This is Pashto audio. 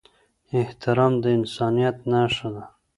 احترام د انسانيت نښه ده.